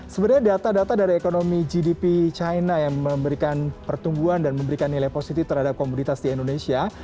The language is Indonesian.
sebenarnya data data dari ekonomi gdp china yang memberikan pertumbuhan dan memberikan nilai positif terhadap komoditas di indonesia